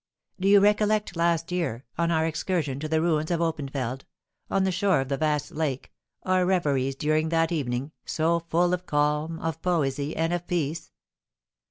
Do you recollect last year, on our excursion to the ruins of Oppenfeld, on the shore of the vast lake, our reveries during that evening, so full of calm, of poesy, and of peace?